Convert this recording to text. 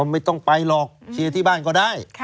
ไม่ต้องไปหรอกเชียร์ที่บ้านก็ได้